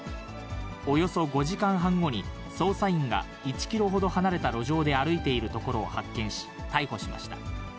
およそ５時間半後に、捜査員が１キロほど離れた路上で歩いているところを発見し、逮捕しました。